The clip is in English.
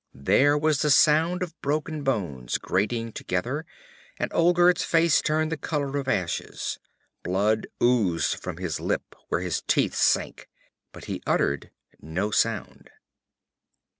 There was the sound of broken bones grating together and Olgerd's face turned the color of ashes; blood oozed from his lip where his teeth sank, but he uttered no sound.